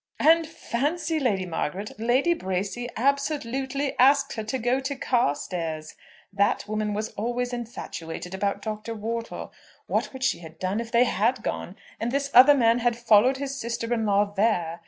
"And fancy, Lady Margaret, Lady Bracy absolutely asked her to go to Carstairs! That woman was always infatuated about Dr. Wortle. What would she have done if they had gone, and this other man had followed his sister in law there.